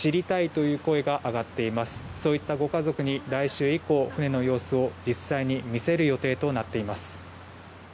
そういったご家族に来週以降船の様子を実際に見せる予定となっています。